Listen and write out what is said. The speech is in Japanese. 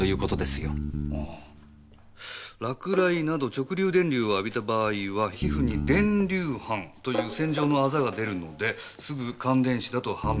「落雷などの直流電流を浴びた場合は皮膚に『電流班』という線状のアザが出るのですぐに感電死だと判断できる。